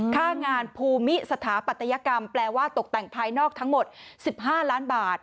ค่างานภูมิสถาปัตยกรรมแปลว่าตกแต่งภายนอกทั้งหมด๑๕ล้านบาท